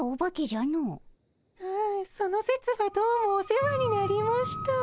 ああそのせつはどうもお世話になりました。